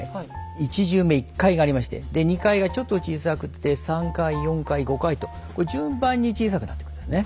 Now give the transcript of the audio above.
１重目１階がありましてで２階がちょっと小さくて３階４階５階と順番に小さくなっていくんですね。